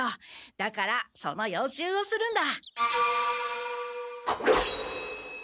だからその予習をするんだ。